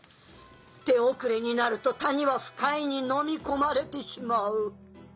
手遅れになると谷は腐海にのみ込まれてしまう。